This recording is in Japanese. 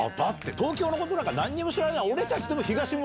東京のことなんか何にも知らない。